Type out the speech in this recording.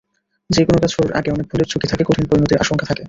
যেকোনো কাজ শুরুর আগে অনেক ভুলের ঝুঁকি থাকে, কঠিন পরিণতির আশঙ্কা থাকে।